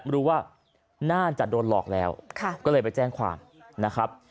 รู้ว่าน่าจะโดนหลอกแล้วก็เลยไปแจ้งความนะครับ